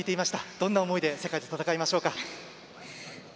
どんな思いで世界と戦いましょうか。